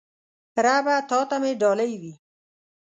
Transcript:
ربه تاته مې ډالۍ وی